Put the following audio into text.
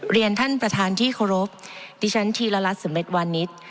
เรียนท่านประธานที่เคารพดิฉันธีรรลาศมิตวานิท